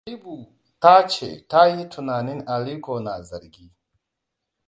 Habibu ta ce ta yi tunanin Aliko na zargi.